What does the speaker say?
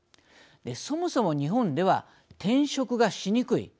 そもそも日本では転職がしにくい。